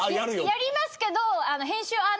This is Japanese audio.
やりますけど。